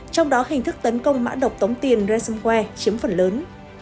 trong đó hình thức tấn công mã độc tống tiền resomware chiếm phần lớn